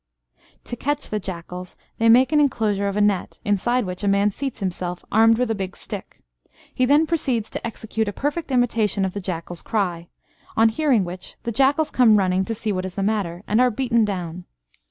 To catch the jackals they make an enclosure of a net, inside which a man seats himself armed with a big stick. He then proceeds to execute a perfect imitation of the jackal's cry, on hearing which the jackals come running to see what is the matter, and are beaten down.